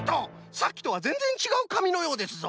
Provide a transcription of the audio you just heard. さっきとはぜんぜんちがうかみのようですぞ。